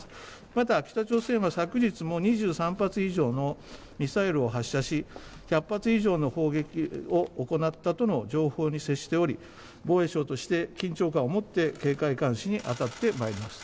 また、北朝鮮は昨日も２３発以上のミサイルを発射し１００発以上の砲撃を行ったとの情報に接しており防衛省として緊張感を持って警戒監視に当たってまいります。